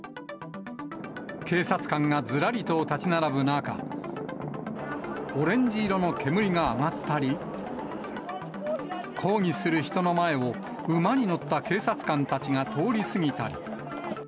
警察官がずらりと立ち並ぶ中、オレンジ色の煙が上がったり、抗議する人の前を、馬に乗った警察官たちが通り過ぎたり。